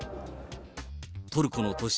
トルコの都市